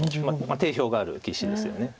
定評がある棋士ですよね。